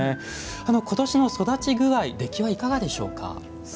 ことしの育ち具合出来はいかがでしょうか？